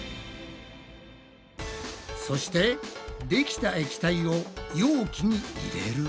そしてできた液体を容器に入れる。